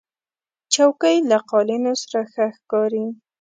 چوکۍ له قالینو سره ښه ښکاري.